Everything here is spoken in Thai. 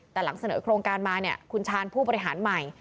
แต่หลังเสนอโครงการมาเนี่ยคุณชาญผู้บริหารใหม่